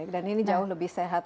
dan ini jauh lebih sehat